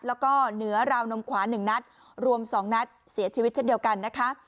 แล้วก็เหนือราวนมขวา๑นัดรวม๒นัดเสียชีวิตเช่นเดียวกันนะคะ